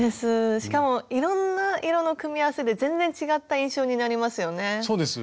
しかもいろんな色の組み合わせで全然違った印象になりますよね。